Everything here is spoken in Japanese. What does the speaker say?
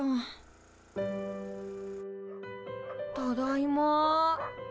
ただいま。